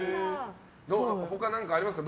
他、何かありますか？